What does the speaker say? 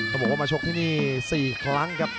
บอกว่ามาชกที่นี่๔ครั้งครับ